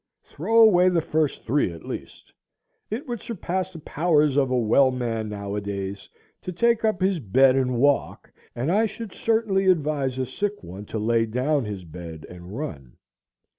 Throw away the first three at least. It would surpass the powers of a well man nowadays to take up his bed and walk, and I should certainly advise a sick one to lay down his bed and run.